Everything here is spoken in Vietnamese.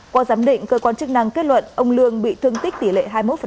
qua giám định cơ quan chức năng kết luận ông lương bị thương tích tỷ lệ hai mươi một